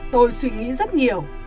tôi suy nghĩ rất nhiều